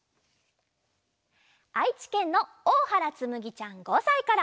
あいちけんのおおはらつむぎちゃん５さいから。